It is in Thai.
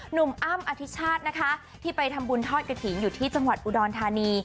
อ้ำอธิชาตินะคะที่ไปทำบุญทอดกระถิ่นอยู่ที่จังหวัดอุดรธานี